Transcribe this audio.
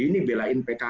ngedelah pintu peserta